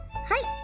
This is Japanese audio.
はい！